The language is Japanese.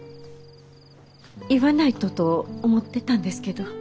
言わないとと思ってたんですけど。